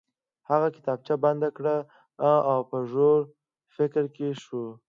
هغه کتابچه بنده کړه او په ژور فکر کې شو